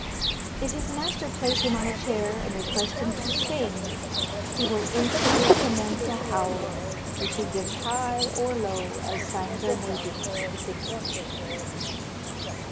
"If his master place him on a chair, and request him to sing, he will instantly commence a howling, which he gives high or low as signs are made to him with the finger.